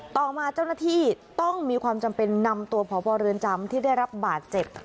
ต่อมาเจ้าหน้าที่ต้องมีความจำเป็นนำตัวพบเรือนจำที่ได้รับบาดเจ็บ